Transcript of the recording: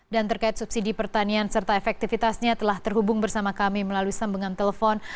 dan terkait subsidi pertanian serta efektifitasnya telah terhubung bersama kami melalui sambungan telepon